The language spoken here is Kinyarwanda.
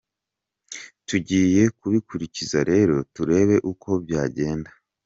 Tugiye kubikurikiza rero turebe uko byagenda.